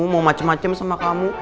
mau macem macem sama kamu